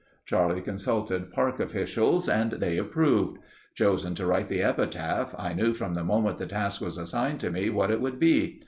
Charlie consulted Park officials and they approved. Chosen to write the epitaph, I knew from the moment the task was assigned to me what it would be.